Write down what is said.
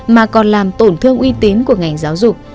mà còn làm tổn thương uy tín của ngành giáo dục